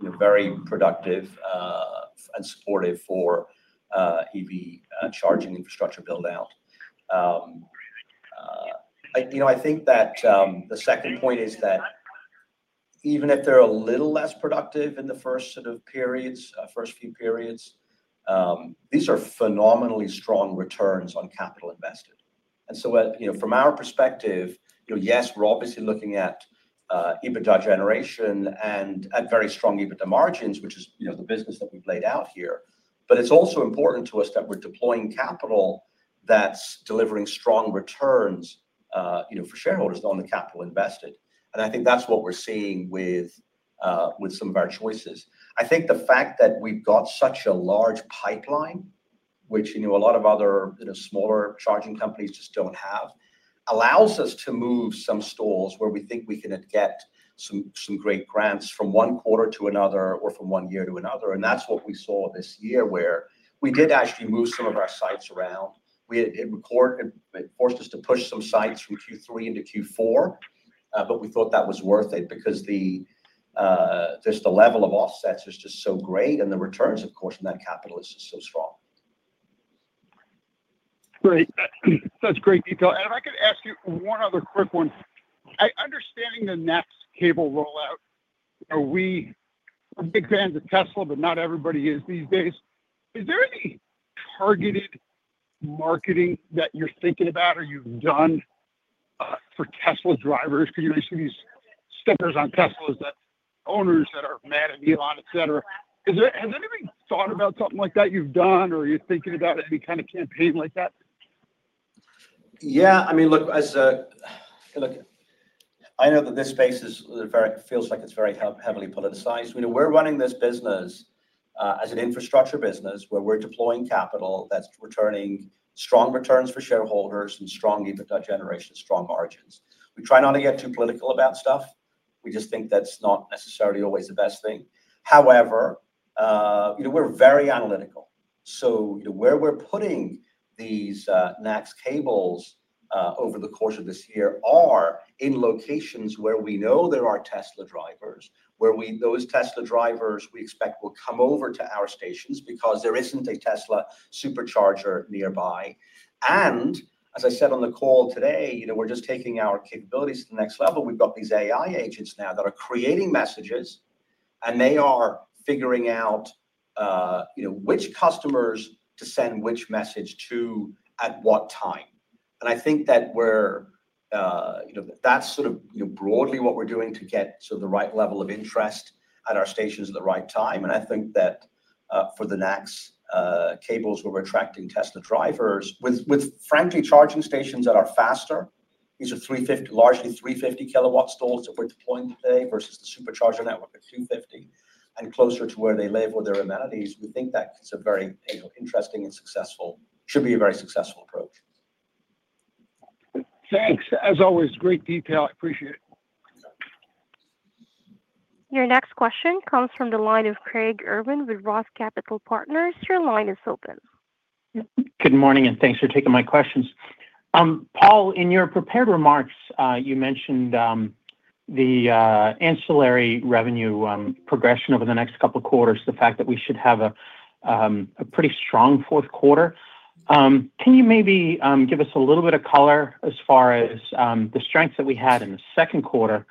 very productive and supportive for EV charging infrastructure build-out. The second point is that even if they're a little less productive in the first sort of periods, first few periods, these are phenomenally strong returns on capital invested. From our perspective, yes, we're obviously looking at EBITDA generation and at very strong EBITDA margins, which is the business that we've laid out here. It's also important to us that we're deploying capital that's delivering strong returns for shareholders on the capital invested. I think that's what we're seeing with some of our choices. The fact that we've got such a large pipeline, which a lot of other smaller charging companies just don't have, allows us to move some stalls where we think we could get some great grants from one quarter to another or from one year to another. That's what we saw this year where we did actually move some of our sites around. It forced us to push some sites from Q3 into Q4, but we thought that was worth it because just the level of offsets is just so great and the returns, of course, in that capital is just so strong. Great. That's great detail. If I could ask you one other quick one, understanding the NACS cable rollout, are we big fans of Tesla, but not everybody is these days. Is there any targeted marketing that you're thinking about or you've done for Tesla drivers? You know, you see these stickers on Teslas that owners that are mad at Elon, etc. Has anybody thought about something like that you've done or you're thinking about any kind of campaign like that? Yeah, I mean, look, I know that this space feels like it's very heavily politicized. We're running this business as an infrastructure business, where we're deploying capital that's returning strong returns for shareholders and strong EBITDA generation, strong margins. We try not to get too political about stuff. We just think that's not necessarily always the best thing. However, we're very analytical. Where we're putting these NACS connectors over the course of this year are in locations where we know there are Tesla drivers, where those Tesla drivers we expect will come over to our stations because there isn't a Tesla Supercharger nearby. As I said on the call today, we're just taking our capabilities to the next level. We've got these AI agents now that are creating messages, and they are figuring out which customers to send which message to at what time. I think that we're, that's sort of broadly what we're doing to get to the right level of interest at our stations at the right time. For the NACS connectors where we're attracting Tesla drivers, with frankly charging stations that are faster, these are largely 350 kW stalls that we're deploying today versus the Supercharger network of 250 and closer to where they live or their amenities. We think that it's a very interesting and successful, should be a very successful approach. Thanks. As always, great detail. I appreciate it. Your next question comes from the line of Craig Irwin with Roth Capital Partners. Your line is open. Good morning, and thanks for taking my questions. Paul, in your prepared remarks, you mentioned the ancillary revenue progression over the next couple of quarters, the fact that we should have a pretty strong fourth quarter. Can you maybe give us a little bit of color as far as the strengths that we had in the second quarter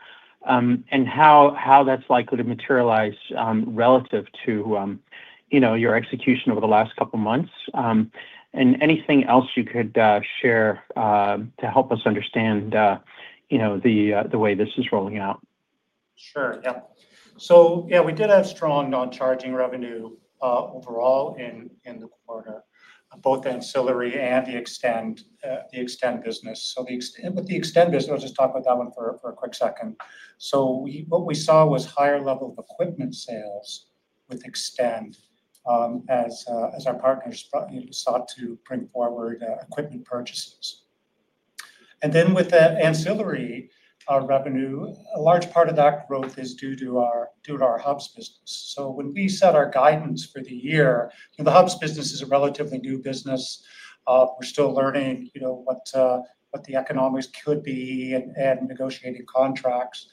and how that's likely to materialize relative to your execution over the last couple of months? Anything else you could share to help us understand the way this is rolling out? Sure. Yeah. We did have strong charging revenue overall in the quarter, both the ancillary and the eXtend business. With the eXtend business, let's just talk about that one for a quick second. What we saw was a higher level of equipment sales with eXtend as our partners sought to bring forward equipment purchases. With the ancillary revenue, a large part of that growth is due to our hubs business. When we set our guidance for the year, the hubs business is a relatively new business. We're still learning what the economics could be and negotiating contracts.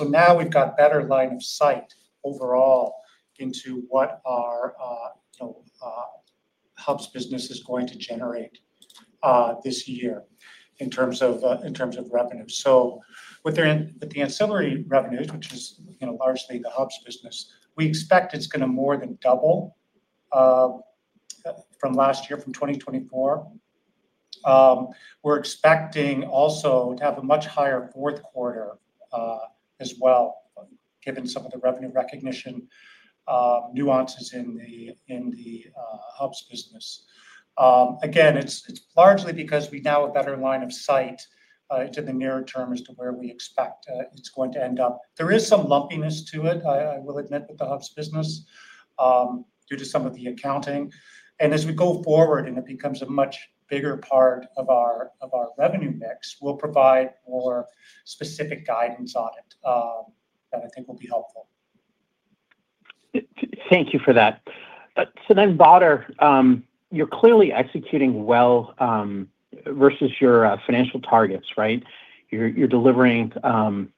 Now we've got a better line of sight overall into what our hubs business is going to generate this year in terms of revenue. With the ancillary revenues, which is largely the hubs business, we expect it's going to more than double from last year, from 2024. We're expecting also to have a much higher fourth quarter as well, given some of the revenue recognition nuances in the hubs business. It's largely because we now have a better line of sight into the nearer term as to where we expect it's going to end up. There is some lumpiness to it, I will admit, with the hubs business due to some of the accounting. As we go forward and it becomes a much bigger part of our revenue mix, we'll provide more specific guidance on it that I think will be helpful. Thank you for that. Badar, you're clearly executing well versus your financial targets, right? You're delivering, and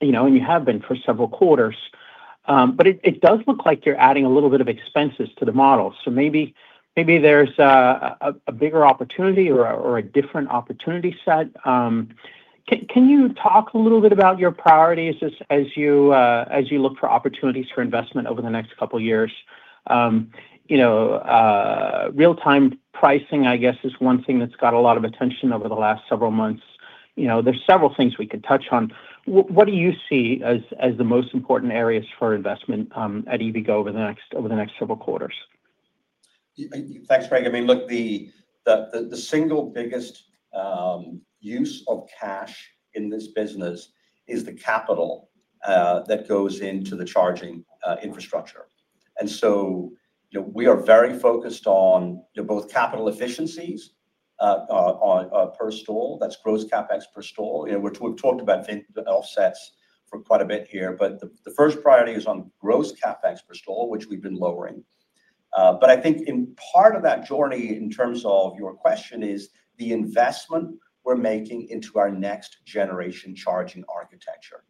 you have been for several quarters, but it does look like you're adding a little bit of expenses to the model. Maybe there's a bigger opportunity or a different opportunity set. Can you talk a little bit about your priorities as you look for opportunities for investment over the next couple of years? Real-time pricing, I guess, is one thing that's got a lot of attention over the last several months. There are several things we could touch on. What do you see as the most important areas for investment at EVgo over the next several quarters? Thanks, Craig. I mean, look, the single biggest use of cash in this business is the capital that goes into the charging infrastructure. We are very focused on both capital efficiencies per stall, that's gross CapEx per stall. We've talked about offsets for quite a bit here, but the first priority is on gross CapEx per stall, which we've been lowering. I think in part of that journey in terms of your question is the investment we're making into our next-generation charging architecture.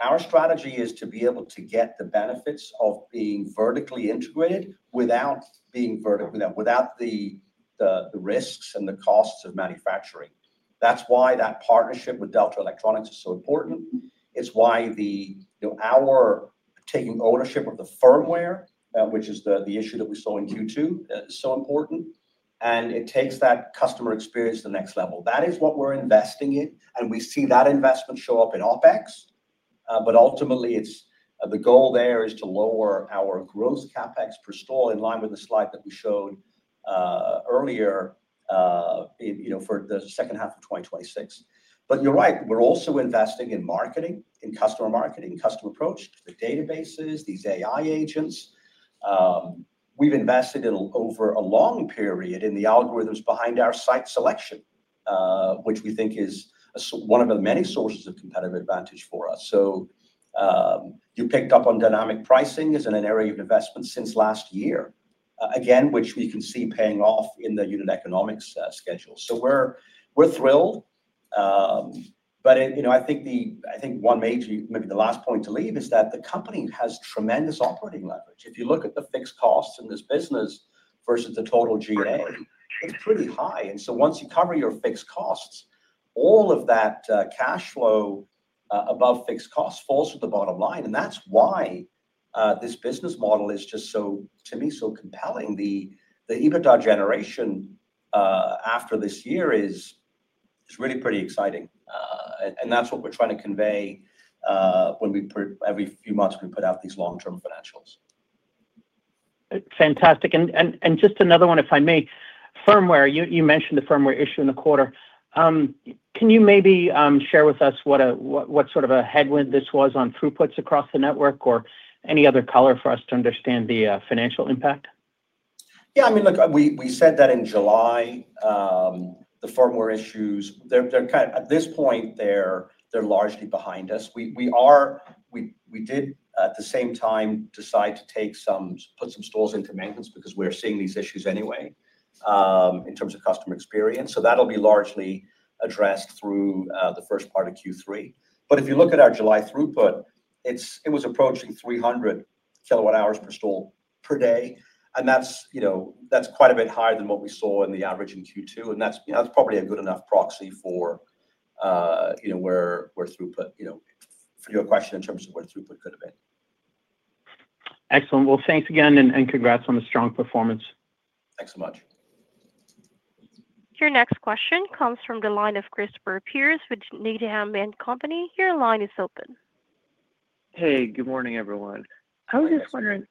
Our strategy is to be able to get the benefits of being vertically integrated without the risks and the costs of manufacturing. That is why that partnership with Delta Electronics is so important. It is why our taking ownership of the firmware, which is the issue that we saw in Q2, is so important. It takes that customer experience to the next level. That is what we're investing in, and we see that investment show up in OpEx. Ultimately, the goal there is to lower our gross CapEx per stall in line with the slide that we showed earlier for the second half of 2026. You're right, we're also investing in marketing, in customer marketing, in customer approach, the databases, these AI agents. We've invested over a long period in the algorithms behind our site selection, which we think is one of the many sources of competitive advantage for us. You picked up on dynamic pricing as an area of investment since last year, again, which we can see paying off in the unit economics schedule. We're thrilled. I think one major, maybe the last point to leave is that the company has tremendous operating leverage. If you look at the fixed costs in this business versus the total G&A, it's pretty high. Once you cover your fixed costs, all of that cash flow above fixed costs falls to the bottom line. That is why this business model is just so, to me, so compelling. The EBITDA generation after this year is really pretty exciting. That is what we're trying to convey when we, every few months, we put out these long-term financials. Fantastic. Just another one, if I may, firmware, you mentioned the firmware issue in the quarter. Can you maybe share with us what sort of a headwind this was on throughputs across the network, or any other color for us to understand the financial impact? Yeah, I mean, look, we said that in July, the firmware issues, they're kind of, at this point, they're largely behind us. We did, at the same time, decide to take some stalls into maintenance because we're seeing these issues anyway in terms of customer experience. That'll be largely addressed through the first part of Q3. If you look at our July throughput, it was approaching 300 kWh per stall per day. That's quite a bit higher than what we saw in the average in Q2. That's probably a good enough proxy for where throughput, for your question, in terms of what throughput could have been. Excellent. Thanks again, and congrats on the strong performance. Thanks so much. Your next question comes from the line of Christopher Pierce with Needham & Co. Your line is open. Hey, good morning, everyone. I was just wondering,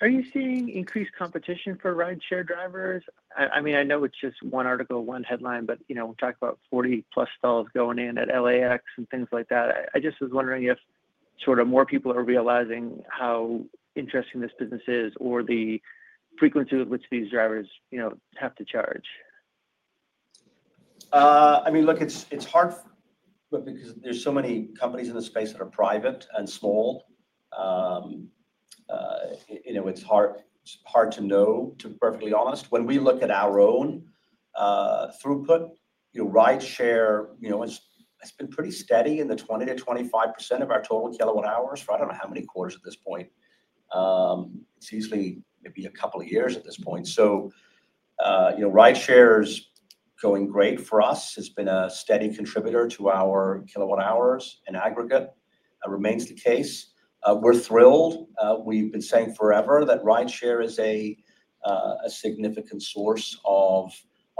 are you seeing increased competition for rideshare drivers? I know it's just one article, one headline, but we talk about 40+ stalls going in at LAX and things like that. I just was wondering if more people are realizing how interesting this business is or the frequency with which these drivers have to charge. I mean, look, it's hard, because there's so many companies in this space that are private and small, you know, it's hard to know, to be perfectly honest. When we look at our own throughput, rideshare, you know, it's been pretty steady in the 20%-25% of our total kilowatt-hours for I don't know how many quarters at this point. It's usually maybe a couple of years at this point. Rideshare is going great for us. It's been a steady contributor to our kilowatt-hours in aggregate. It remains the case. We're thrilled. We've been saying forever that rideshare is a significant source of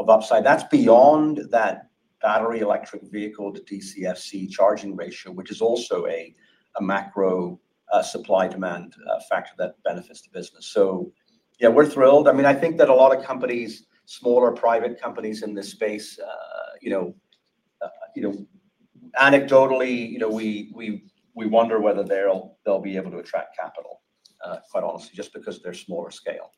upside. That's beyond that battery electric vehicle to DCFC ratio, which is also a macro supply-demand factor that benefits the business. Yeah, we're thrilled. I think that a lot of companies, smaller private companies in this space, anecdotally, we wonder whether they'll be able to attract capital, quite honestly, just because of their smaller scale.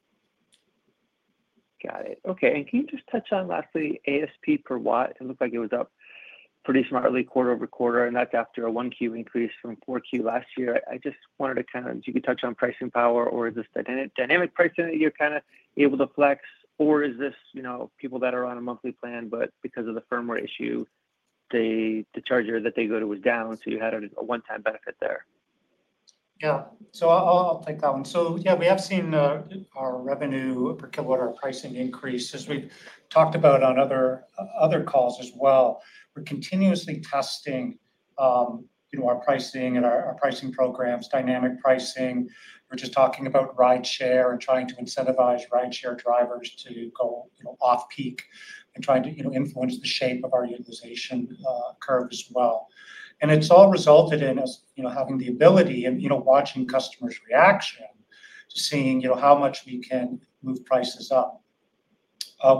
Got it. Okay. Can you just touch on, lastly, ASP per watt? It looked like it was up pretty smartly quarter over quarter, and that's after a 1Q increase from 4Q last year. I just wanted to kind of, if you could touch on pricing power, or is this dynamic pricing that you're kind of able to flex, or is this, you know, people that are on a monthly plan, but because of the firmware issue, the charger that they go to was down, so you had a one-time benefit there? I'll take that one. We have seen our revenue per kilowatt-hour pricing increase, as we've talked about on other calls as well. We're continuously testing our pricing and our pricing programs, dynamic pricing. We're just talking about rideshare and trying to incentivize rideshare drivers to go off peak and try to influence the shape of our utilization curve as well. It's all resulted in us having the ability and watching customers' reaction, seeing how much we can move prices up.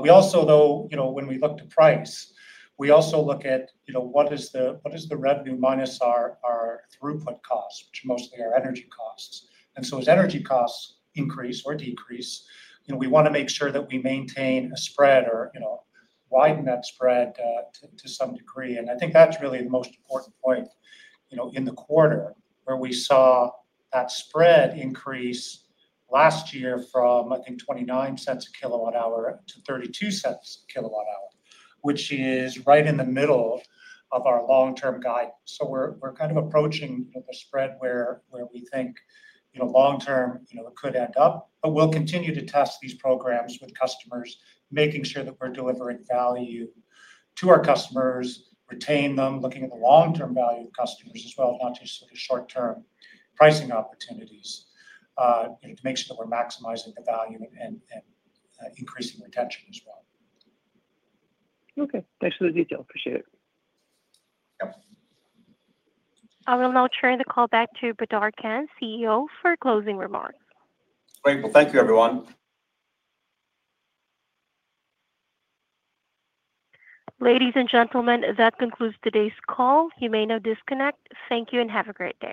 We also, when we look to price, look at what is the revenue minus our throughput costs, which are mostly our energy costs. As energy costs increase or decrease, we want to make sure that we maintain a spread or widen that spread to some degree. I think that's really the most important point, in the quarter where we saw that spread increase last year from $0.29 per kWh to $0.32 per kWh, which is right in the middle of our long-term guidance. We're kind of approaching the spread where we think long-term it could end up. We'll continue to test these programs with customers, making sure that we're delivering value to our customers, retaining them, looking at the long-term value of customers as well, not just sort of short-term pricing opportunities, to make sure that we're maximizing the value and increasing retention as well. Okay, thanks for the detail. Appreciate it. I will now turn the call back to Badar Khan, CEO, for closing remarks. Great. Thank you, everyone. Ladies and gentlemen, that concludes today's call. You may now disconnect. Thank you, and have a great day.